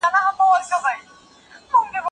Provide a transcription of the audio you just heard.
ایا حجامت په روغتونونو کي ترسره کیږي؟